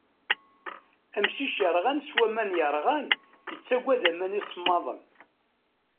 Amcic yerɣan s waman yerɣan, yettagad aman isemmaḍen.